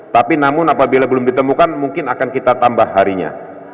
tapi namun apabila belum ditemukan mungkin akan kita tambah harinya